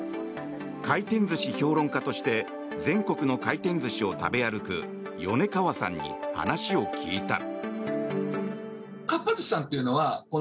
回転寿司評論家として全国の回転寿司を食べ歩く米川さんに話を聞いた。